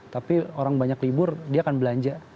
tapi orang banyak libur dia akan belanja